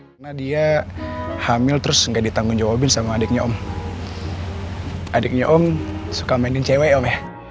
hai nadia hamil terus enggak ditanggung jawabin sama adiknya om adiknya om suka mainin cewek om